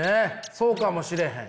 そうかもしれへん。